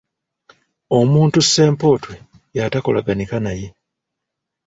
Omuntu ssempotwe y’atakolaganika naye.